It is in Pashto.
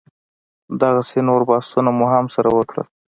دغسې نور بحثونه مو هم سره وکړل.